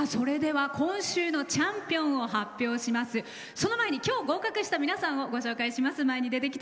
それでは今日、合格した皆さんをご紹介します。